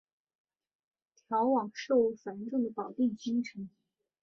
调往事务繁重的保定新城。